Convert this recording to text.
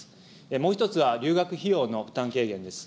もう１つは留学費用の負担軽減です。